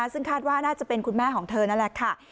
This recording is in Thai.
ซึ่งคาดว่าน่าจะเป็นคุณแม่ของเธอนั่นแหละค่ะ